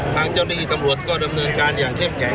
ทางเจ้าหน้าที่ตำรวจก็ดำเนินการอย่างเข้มแข็ง